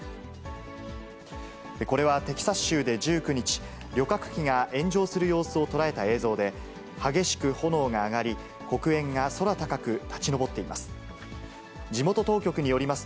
これはテキサス州で１９日、旅客機が炎上する様子を捉えた映像で、激しく炎が上がり、黒煙が空高く立ち上っています。